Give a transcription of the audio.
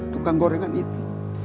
tukang gorengan itu